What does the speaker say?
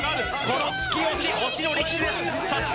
この突き押し押しの力士です